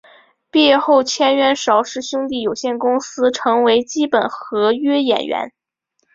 毕业后签约邵氏兄弟有限公司成为基本合约演员。